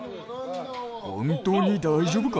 本当に大丈夫か？